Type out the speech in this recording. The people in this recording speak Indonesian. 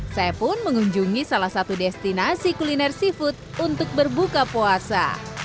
saya pun mengunjungi salah satu destinasi kuliner seafood untuk berbuka puasa